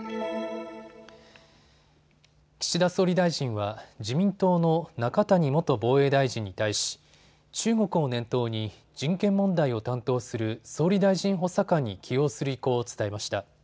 岸田総理大臣は自民党の中谷元防衛大臣に対し中国を念頭に人権問題を担当する総理大臣補佐官に起用する意向を伝えました。